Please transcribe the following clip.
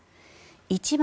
一番